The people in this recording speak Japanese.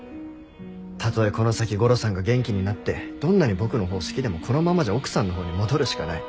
たとえこの先ゴロさんが元気になってどんなに僕のほうを好きでもこのままじゃ奥さんのほうに戻るしかない。